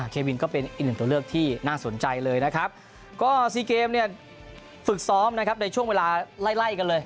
เควินก็เป็นอีกหนึ่งตัวเลือกที่น่าสนใจเลยนะครับก็ซีเกมเนี่ยฝึกซ้อมนะครับในช่วงเวลาไล่กันเลย